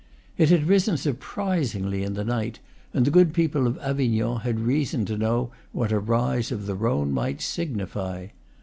It had risen surprisingly in the night, and the good people of Avignon had reason to know what a rise of the Rhone might signify.